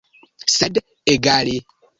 Sed egale.